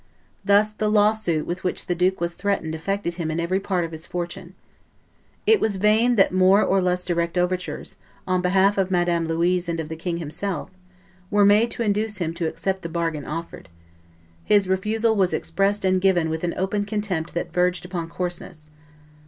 Thus the lawsuit with which the duke was threatened affected him in every part of his fortune. It was in vain that more or less direct overtures, on behalf of Madame Louise and of the king himself, were made to induce him to accept the bargain offered: his refusal was expressed and given with an open contempt that verged upon coarseness.